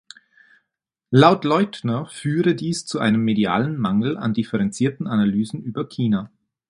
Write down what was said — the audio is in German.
Laut Leutner führe dies zu einem medialen Mangel an differenzierten Analysen über China.